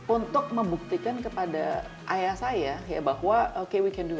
untuk membuktikan kepada ayah saya ya bahwa okay we can do it